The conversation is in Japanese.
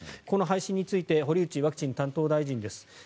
この配信について堀内ワクチン担当大臣です。